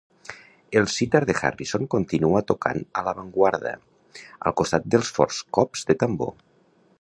El sitar de Harrison continua tocant a l'avantguarda, al costat dels forts cops de tambor.